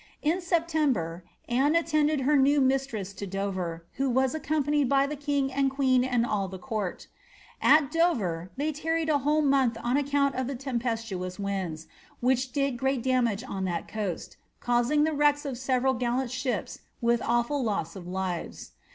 * In September, Anne attended her new mistress to Dover, who was accompanied by the king and queen and all the court At Dover they tarried a whole month on account of the tempestuous winds, which did great damage on that coast, causing the wrecks of several gallant ships with awful loss of lives.